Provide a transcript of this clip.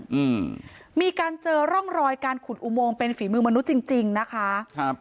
อืมมีการเจอร่องรอยการขุดอุโมงเป็นฝีมือมนุษย์จริงจริงนะคะครับ